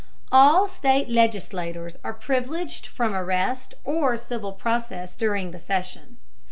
All state legislators are privileged from arrest or civil process during the session.